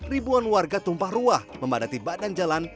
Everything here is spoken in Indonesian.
ribuan warga tumpah ruah membadati badan jalan